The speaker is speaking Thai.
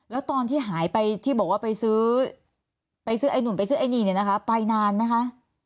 แล้วตอนที่หายไปที่บอกว่าไปซื้อไปซื้อไอ้นู่นไปซื้อไอ้นี่เนี่ยนะคะไปนานไหมคะ